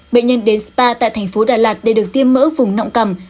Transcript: bệnh nhân đến spa tại tp đà lạt để được tiêm mỡ vùng nọng cằm